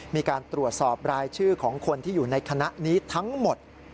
มีการตรวจสอบรายชื่อของคนที่อยู่ในคณะนี้ทั้งหมด